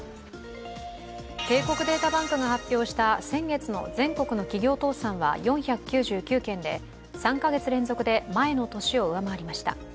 帝国データバンクが発表した先月の全国の企業倒産は４９９件で３カ月連続で前の年を上回りました